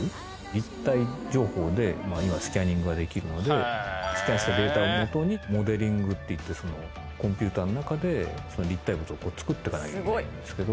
立体情報で今スキャニングができるのでスキャンしたデータを基にモデリングっていってコンピューターの中で立体物を作ってかなきゃいけないんですけど。